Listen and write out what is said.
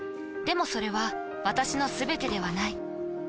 でもそれは私のすべてではない。